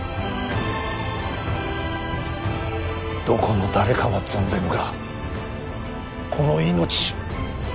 どこの誰かは存ぜぬがこの命